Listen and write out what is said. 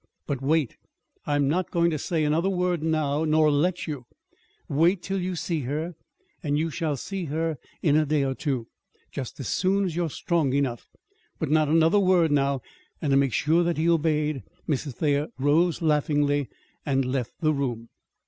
But wait. I'm not going to say another word now, nor let you. Wait till you see her and you shall see her in a day or two just as soon as you are strong enough. But not another word now." And to make sure that he obeyed, Mrs. Thayer rose laughingly and left the room.